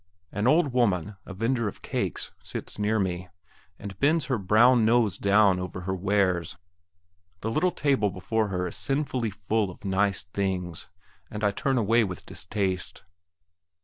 An old woman, a vendor of cakes, sits near me, and bends her brown nose down over her wares. The little table before her is sinfully full of nice things, and I turn away with distaste.